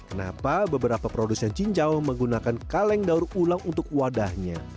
kenapa beberapa produsen cincau menggunakan kaleng daur ulang untuk wadahnya